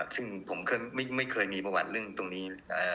ซึ่งผมไม่เคยมีประวัติเรื่องตรงนี้